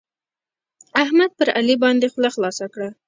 احمد پر علي باندې خوله خلاصه کړه.